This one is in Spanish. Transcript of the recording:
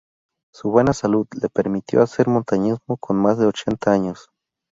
Su buena salud le permitió hacer montañismo con más de ochenta años.